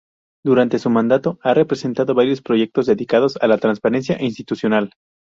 Durante su mandato, ha presentado varios proyectos dedicados a la transparencia institucional.